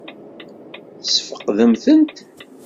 Tesfeqdemt-tent?